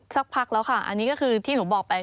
สักพักแล้วค่ะอันนี้ก็คือที่หนูบอกไป